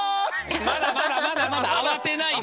まだまだまだまだあわてないで。